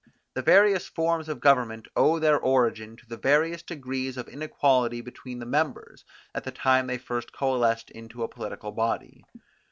The various forms of government owe their origin to the various degrees of inequality between the members, at the time they first coalesced into a political body.